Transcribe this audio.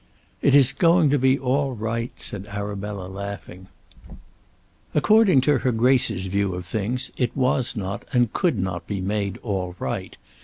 "It is going to be all right," said Arabella laughing. According to her Grace's view of things it was not and could not be made "all right."